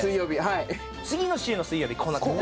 次の週の水曜日こうなって。